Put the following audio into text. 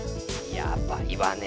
やばいわね。